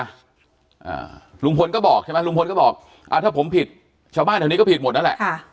อ่าลุงพลก็บอกใช่ไหมลุงพลก็บอกอ่าถ้าผมผิดชาวบ้านแถวนี้ก็ผิดหมดนั่นแหละค่ะ